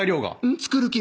作る気が。